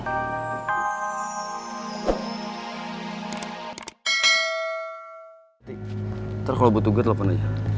nanti kalau butuh god lo penuh ya